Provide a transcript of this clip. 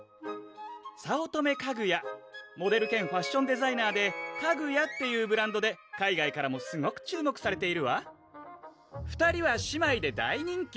早乙女かぐやモデル兼ファッションデザイナーでＫＡＧＵＹＡっていうブランドで海外からもすごく注目されているわ２人は姉妹で大人気！